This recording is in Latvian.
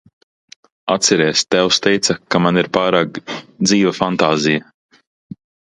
Atceries, tēvs teica, ka man ir pārāk dzīva fantāzija?